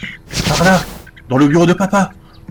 Par là ! dans le bureau de papa !